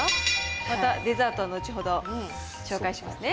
またデザートは後ほど紹介しますね。